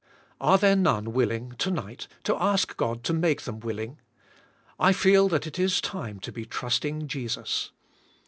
Are there none willing, to night, to ask God to make them willing. I feel that it is time to be trusting Jesus.